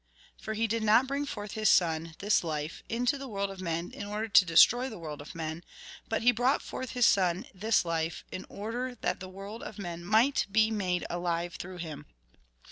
For He did not bring forth His Son, this life, into the world of men in order to destroy the world of men ; but He brought forth His Son, this life, in order 44 THE GOSPEL IN BRIEF that the world of men might be made alive through him.